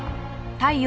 太陽！